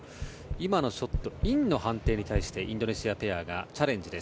今のショットインの判定に対してインドネシアペアがチャレンジです。